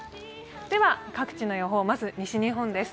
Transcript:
では各地の予報、まず西日本です。